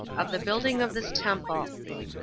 Of The Building Of This Temple 1.